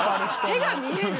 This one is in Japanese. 手が見える？